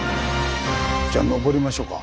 じゃあ上りましょうか。